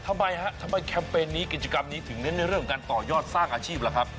ทำไมฮะทำไมแคมเปญนี้กิจกรรมนี้ถึงเน้นในเรื่องของการต่อยอดสร้างอาชีพล่ะครับ